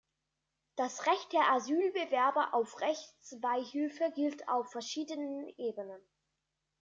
Das Recht der Asylbewerber auf Rechtsbeihilfe gilt auf verschiedenen Ebenen.